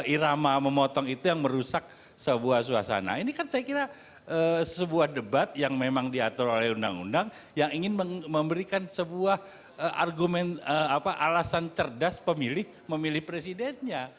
ini kan saya kira sebuah debat yang memang diatur oleh undang undang yang ingin memberikan sebuah alasan cerdas pemilih memilih presidennya